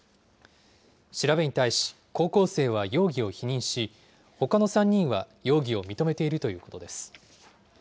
調べに対し、高校生は容疑を否認し、ほかの３人は容疑を認めているということです。